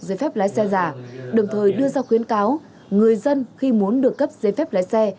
giấy phép lái xe giả đồng thời đưa ra khuyến cáo người dân khi muốn được cấp giấy phép lái xe